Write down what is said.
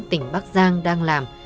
tỉnh bắc giang đang làm